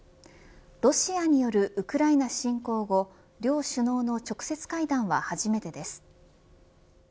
ロシアによるウクライナ侵攻後両首脳の直接会談は初めてです。